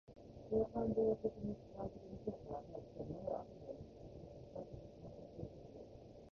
それは感情的な主観的な評価を排して、物を飽くまでも知的に客観的に把握しようとする。